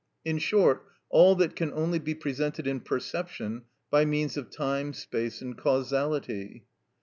in short all that can only be presented in perception by means of time, space, and causality.